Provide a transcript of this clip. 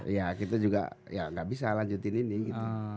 iya kita juga ya gak bisa lanjutin ini gitu